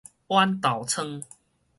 豌豆瘡